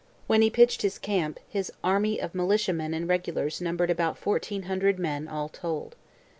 When he pitched his camp, his army of militiamen and regulars numbered about fourteen hundred men all told.